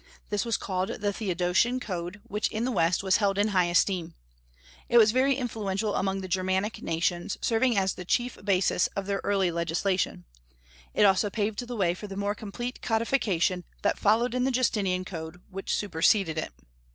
This was called the Theodosian Code, which in the West was held in high esteem. It was very influential among the Germanic nations, serving as the chief basis of their early legislation; it also paved the way for the more complete codification that followed in the Justinian Code, which superseded it.